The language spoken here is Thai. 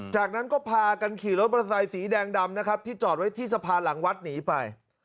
จากนั้นก็พากันขี่รถมอเตอร์ไซค์สีแดงดำนะครับที่จอดไว้ที่สะพานหลังวัดหนีไป